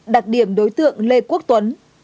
đặc điểm đối tượng lê quốc tuấn